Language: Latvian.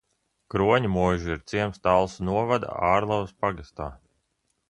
Kroņmuiža ir ciems Talsu novada Ārlavas pagastā.